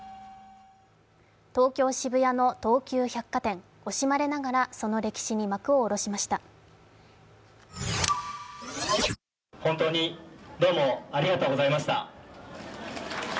東京・渋谷の東急百貨店、惜しまれながらその歴史に幕を下ろしました。